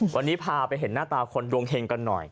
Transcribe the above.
วันนี้พาไปเห็นหน้าตาคนดวงเฮงกันหน่อย